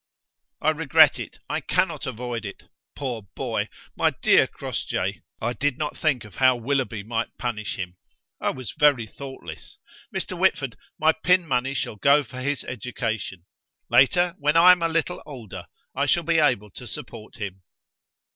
"I regret it. I cannot avoid it. Poor boy! My dear Crossjay! I did not think of how Willoughby might punish him. I was very thoughtless. Mr. Whitford, my pin money shall go for his education. Later, when I am a little older, I shall be able to support him."